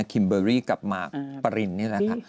คิมเบอร์รี่กับมากปรินนี่แหละค่ะ